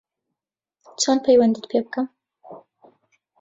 چۆن پەیوەندیت پێ بکەم